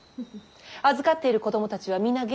預かっている子供たちは皆元気？